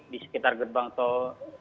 di sekitar gerbang tol